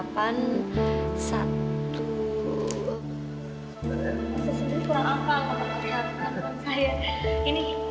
masa sendiri kurang apa pak